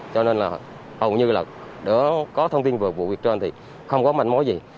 cho nên hầu như có thông tin về vụ việc trên thì không có mạnh mối gì